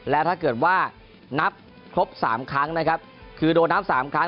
และถ้าเกิดว่านับครบ๓ครั้งนะครับคือโดนนับ๓ครั้ง